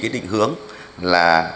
định hướng là